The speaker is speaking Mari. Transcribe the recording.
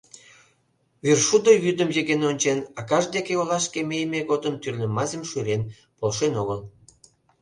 Вӱршудо вӱдым йыген ончен, акаж дек олашке мийыме годым тӱрлӧ мазьым шӱрен, полшен огыл.